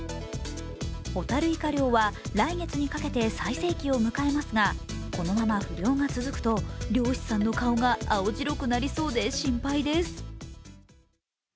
ホタルイカ漁は来月にかけて最盛期を迎えますがこのまま不漁が続くと漁師さんの顔が青白くなりそうで心配です。